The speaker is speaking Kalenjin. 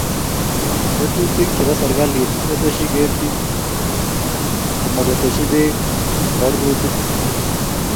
Tetutik che bo serkalit koteshi ketii komokoteshi beek che bo rurutik